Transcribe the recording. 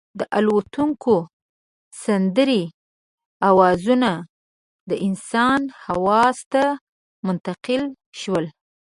د الوتونکو سندرې او اوازونه د انسان حواسو ته منتقل شول.